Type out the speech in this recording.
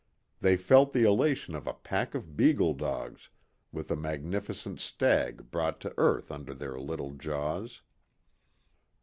They felt the elation of a pack of beagle dogs with a magnificent stag brought to earth under their little jaws.